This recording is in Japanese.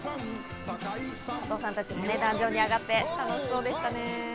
加藤さんたちも壇上に上がって楽しそうでしたね。